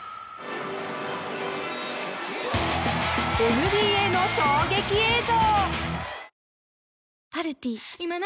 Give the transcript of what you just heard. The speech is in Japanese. ＮＢＡの衝撃映像！